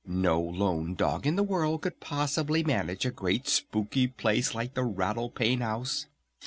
No lone dog in the world could possibly manage a great spooky place like the Rattle Pane House.